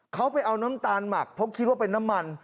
เขาไปเอาน้ำตาลหมักเพราะคิดว่าเป็นน้ำมัน